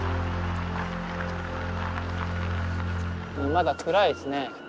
まだ暗いですね。